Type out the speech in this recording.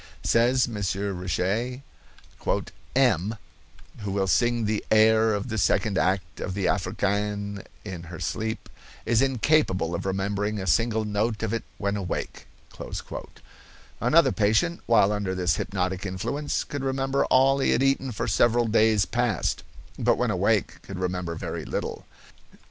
Says M. Richet: "M—— , who will sing the air of the second act of the Africaine in her sleep, is incapable of remembering a single note of it when awake." Another patient, while under this hypnotic influence, could remember all he had eaten for several days past, but when awake could remember very little.